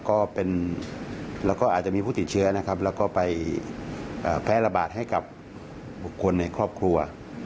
ก็เป็นแล้วก็อาจจะมีผู้ติดเชื้อนะครับแล้วก็ไปแพร่ระบาดให้กับบุคคลในครอบครัว